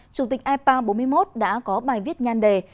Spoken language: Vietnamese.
chủ tịch ipa bốn mươi một đã có bài viết nhan đề